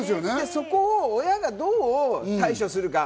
そこを親がどう対処するか。